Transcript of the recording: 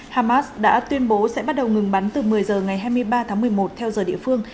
hamas đã tuyên bố sẽ bắt đầu ngừng bắn từ một mươi h ngày hai mươi ba tháng một mươi một theo giờ địa phương